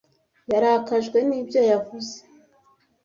Yarakajwe nibyo yavuze.